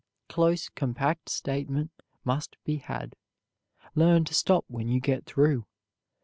Close, compact statement must be had. Learn to stop when you get through.